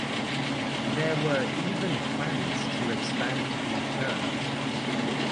There were even plans to expand the church.